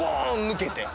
抜けて。